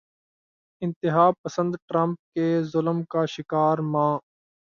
انتہا پسند ٹرمپ کے ظلم کی شکار ماں